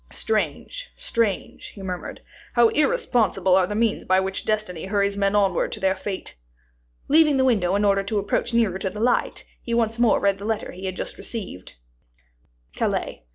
"Strange, strange!" he murmured. "How irresponsible are the means by which destiny hurries men onward to their fate!" Leaving the window in order to approach nearer to the light, he once more read the letter he had just received: "CALAIS.